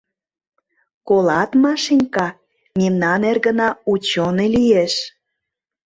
Колат, Машенька, мемнан эргына учёный лиеш.